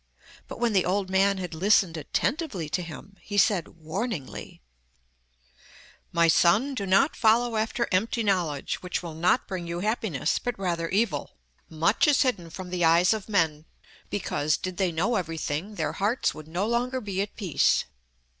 But when the old man had listened attentively to him, he said, warningly: 'My son, do not follow after empty knowledge, which will not bring you happiness, but rather evil. Much is hidden from the eyes of men, because did they know everything their hearts would no longer be at peace.